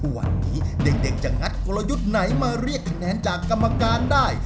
วันนี้เด็กจะงัดกลยุทธ์ไหนมาเรียกคะแนนจากกรรมการได้